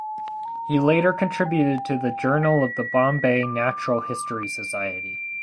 He later contributed to the "Journal of the Bombay Natural History Society".